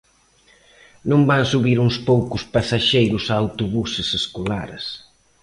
Non van subir uns poucos pasaxeiros a autobuses escolares.